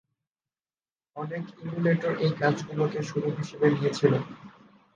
অনেক ইমুলেটর এই কাজগুলোকে শুরু হিসেবে নিয়েছিল।